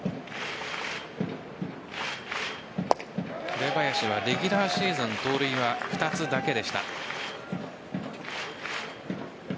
紅林はレギュラーシーズン、盗塁は２つだけでした。